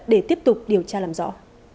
để tiếp tục điều tra làm rõ